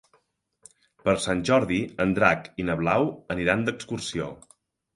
Per Sant Jordi en Drac i na Blau aniran d'excursió.